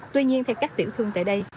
tuy nhiên theo các tiểu thương tại đây